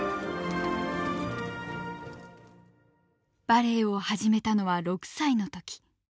バレエを始めたのは６歳のとき。